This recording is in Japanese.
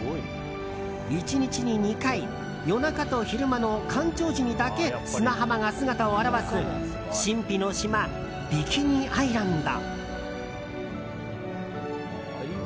１日に２回夜中と昼間の干潮時にだけ砂浜が姿を現す神秘の島、ビキニアイランド。